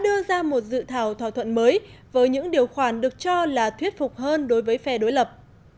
thủ tướng theresa may hôm qua đã đưa ra một dự thảo thỏa thuận mới với những điều khoản được cho là thuyết phục hơn đối với phe đối lập